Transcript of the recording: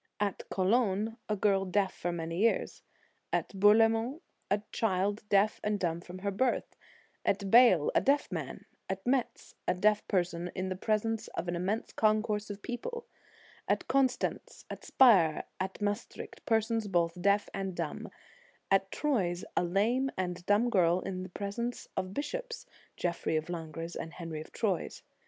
At Cologne, a girl deaf for many years; at Bourlemont, a child deaf and dumb from her birth ; at Bale, a deaf man ; at Metz, a deaf person in presence of an immense concourse of people ; at Constance, at Spire, at Maes tricht, persons both deaf and dumb; at Troyes, a lame and dumb girl in presence of the bishops, Geoffrey of Langres and Henry of Troyes.